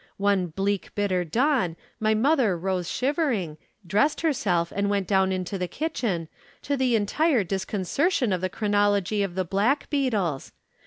One bleak bitter dawn my mother rose shivering, dressed herself and went down into the kitchen, to the entire disconcertion of the chronology of the black beetles.